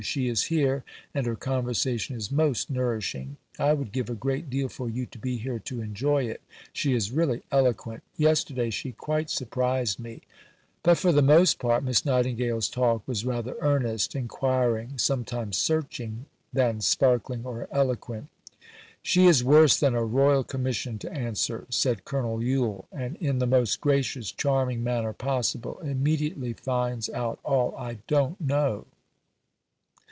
She is here, and her conversation is most nourishing. I would give a great deal for you to be here to enjoy it. She is really eloquent. Yesterday she quite surprised me." But for the most part Miss Nightingale's talk was rather earnest, inquiring, sometimes searching, than sparkling or eloquent. "She is worse than a Royal Commission to answer," said Colonel Yule; "and, in the most gracious, charming manner possible, immediately finds out all I don't know."